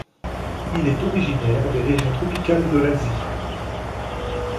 Il est originaire des régions tropicales de l'Asie.